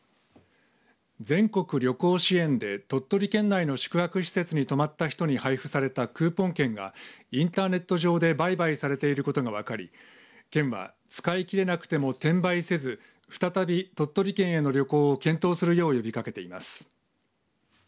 全国旅行支援で鳥取県内の宿泊施設に泊まった人に配布されたクーポン券がインターネット上で売買されていることが分かり県は使い切れなくても転売せず再び鳥取県への旅行を検討するよう呼びかけています。